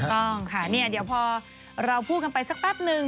ต้องค่ะเนี่ยเดี๋ยวพอเราพูดกันไปสักแป๊บนึง